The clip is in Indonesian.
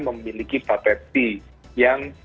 memiliki bapetb yang